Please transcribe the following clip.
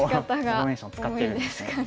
フォーメーション使ってるんですね。